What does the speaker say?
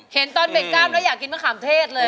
เห็นตอนเบรกกล้ามแล้วอยากกินมะขามเทศเลย